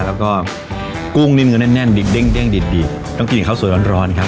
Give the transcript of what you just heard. แล้วก็กุ้งนี่เนื้อแน่นดีเด้งดีต้องกินข้าวสวยร้อนครับ